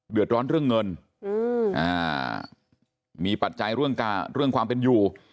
เดือดร้อนเรื่องเงินมีปัจจัยเรื่องความเป็นอยู่